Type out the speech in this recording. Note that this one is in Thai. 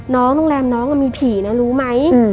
โรงแรมน้องมีผีนะรู้ไหม